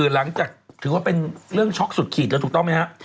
หลังจากถือว่าเป็นเรื่องช็อกสุดขีดแล้วถูกต้องไหมครับ